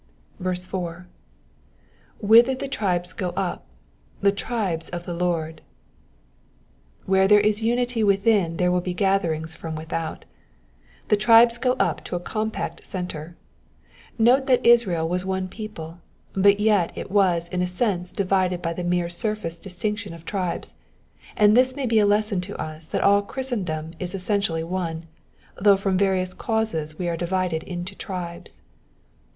4. ^* Whither the tribes go up, the tribes of the Lord." When there is unity within there will be gatherings from without : the tribes go up to a compact centre. Note that Israel was one people, but yet it was in a sense divided by the mere surface distinction of tribes ; and this may be a lesson to us that all Christendom is essentially one, though from various causes we are divided into tribes.